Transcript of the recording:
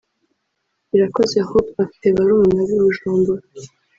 Irakoze Hope afite barumuna be i Bujumbura